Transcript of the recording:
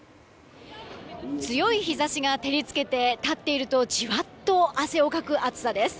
強い日差しが照り付けて立っているとじわっと汗をかく暑さです。